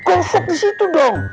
gosok disitu dong